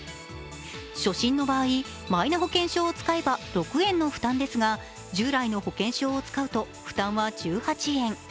初診の場合、マイナ保険証を使えば６円の負担ですが従来の保険証を使うと負担は１８円。